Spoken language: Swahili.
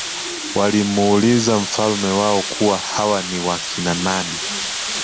walimuuliza mfalme wao kuwa hawa ni wakina nani